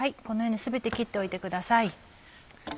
このように全て切っておいてください。